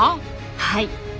はい。